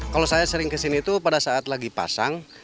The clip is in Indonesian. kalau saya sering kesini itu pada saat lagi pasang